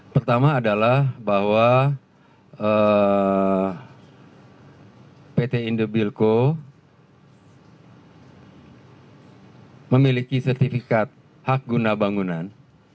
pertama adalah bahwa pt indobilco memiliki sertifikat hak guna bangunan